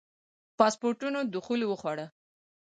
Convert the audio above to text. پاسپورټونو دخول وخوړه.